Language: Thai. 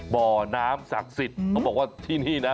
บ่อน้ำศักดิ์สิทธิ์เขาบอกว่าที่นี่นะ